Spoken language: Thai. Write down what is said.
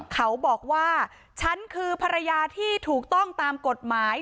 เขาบอกว่าฉันคือภรรยาที่ถูกต้องตามกฎหมาย